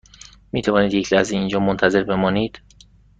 می توانید یک لحظه اینجا منتظر بمانید؟